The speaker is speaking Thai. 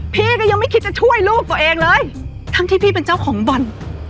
พี่ก็ยังไม่คิดจะช่วยลูกตัวเองเลยทั้งที่พี่เป็นเจ้าของบ่อน